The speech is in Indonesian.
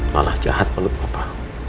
malah jahat menurut papa